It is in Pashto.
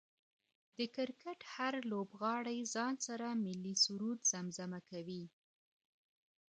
د کرکټ هر لوبغاړی ځان سره ملي سرود زمزمه کوي